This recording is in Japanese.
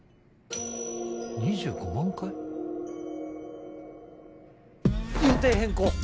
２５万回？予定変更！